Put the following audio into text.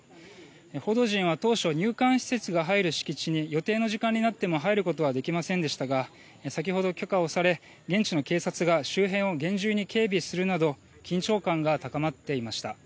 報道陣は当初、入管施設が入る敷地に予定の時間になっても入ることはできませんでしたが先ほど許可をされ、現地の警察が周辺を厳重に警備するなど緊張感が高まっていました。